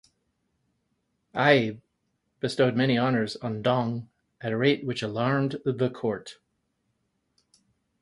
Ai bestowed many honors on Dong at a rate which alarmed the court.